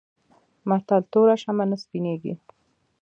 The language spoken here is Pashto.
متل: توره شمه نه سپينېږي.